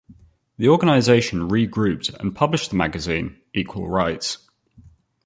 The organization regrouped and published the magazine "Equal Rights".